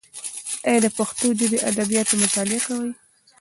ایا ته د پښتو ژبې ادبیات مطالعه کوې؟